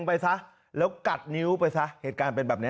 ไปซะแล้วกัดนิ้วไปซะเหตุการณ์เป็นแบบนี้